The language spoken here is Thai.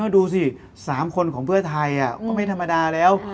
ดูสิ๓คนของเพื่อไทยก็ไม่ธรรมดาแล้ว